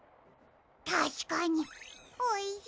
たしかにおいしそう！